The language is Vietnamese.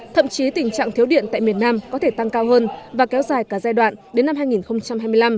thậm chí tình trạng thiếu điện tại miền nam có thể tăng cao hơn và kéo dài cả giai đoạn đến năm hai nghìn hai mươi năm